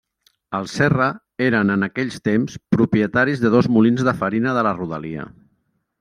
Els Serra eren en aquells temps propietaris de dos molins de farina de la rodalia.